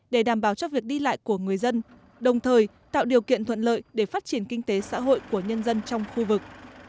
để đảm bảo cho việc đi lại của người dân đồng thời tạo điều kiện thuận lợi để phát triển kinh tế xã hội của nhân dân trong khu vực